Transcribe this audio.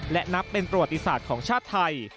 และนับเป็นประวัติศาสตร์ของชาติไทย